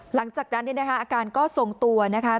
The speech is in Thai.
หลังจากนั้นเนี่ยนะคะอาการก็ทรงตัวนะคะ